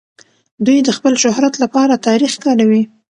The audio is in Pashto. دوی د خپل شهرت لپاره تاريخ کاروي.